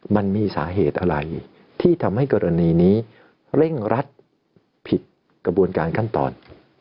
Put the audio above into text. มันมีสาเหตุอะไรที่ทำให้กรณีนี้เร่งรัดผิดกระบวนการขั้นตอน